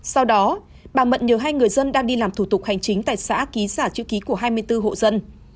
sau đó bà mận nhờ hai người dân đang đi làm thủ tục hành chính tại xã ký giả chữ ký của hai mươi bốn hộ dân